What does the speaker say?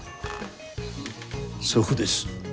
祖父です